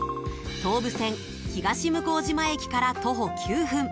東武線東向島駅から徒歩９分